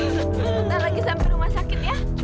sebentar lagi sampai rumah sakit ya